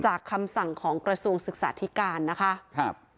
จากคำสั่งของกระสูงศึกษาธิการ